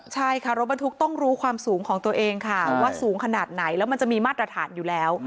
ใช่ค่ะรถบรรทุกต้องรู้ความสูงของตัวเองค่ะว่าสูงขนาดไหนแล้วมันจะมีมาตรฐานอยู่แล้ว